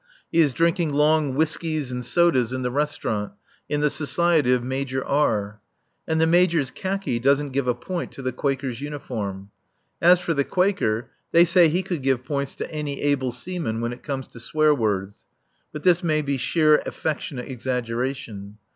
He is drinking long whiskies and sodas in the restaurant, in the society of Major R. And the Major's khaki doesn't give a point to the Quaker's uniform. As for the Quaker, they say he could give points to any able seaman when it comes to swear words (but this may be sheer affectionate exaggeration).